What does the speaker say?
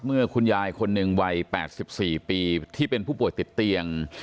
คุณยายคนหนึ่งวัย๘๔ปีที่เป็นผู้ป่วยติดเตียง